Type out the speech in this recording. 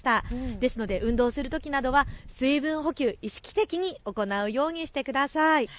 ですので運動するときなどは水分補給、意識的に行うようにしてください。